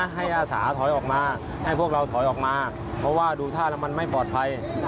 ให้อาสาถอยออกมาให้พวกเราถอยออกมาเพราะว่าดูท่าแล้วมันไม่ปลอดภัย